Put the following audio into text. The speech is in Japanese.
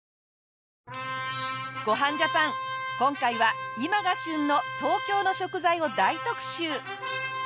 『ごはんジャパン』今回は今が旬の東京の食材を大特集。